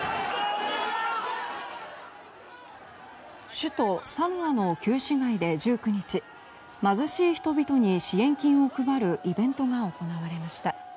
首都サヌアの旧市街で、１９日貧しい人々に支援金を配るイベントが行われました。